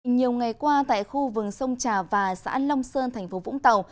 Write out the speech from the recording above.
nhiều ngày qua tại khu vườn sông trà và xã long sơn thành phố vũng tàu